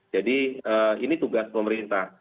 jadi ini tugas pemerintah